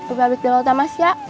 udah abis jalan otomas ya